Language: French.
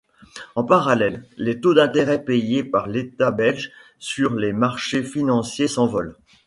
En parallèle, les taux d'intérêt payés par l'État belge sur les marchés financiers s'envolent.